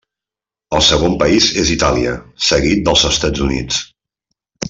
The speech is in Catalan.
El segon país és Itàlia, seguit dels Estats Units.